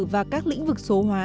và các lĩnh vực số hóa